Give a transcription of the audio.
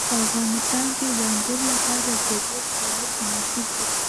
په افغانستان کې د انګور لپاره طبیعي شرایط مناسب دي.